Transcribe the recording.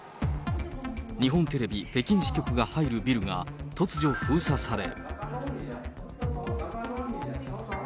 日本テレビ北京支局が入るビルが、突如封鎖され。